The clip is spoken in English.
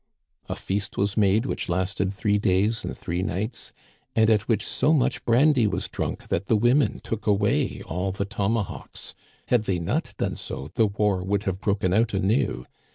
A feast was made which lasted three days and three nights, and at which so much brandy was drunk that the women took away all the tomahawks. Had they not done so the war would have broken out anew.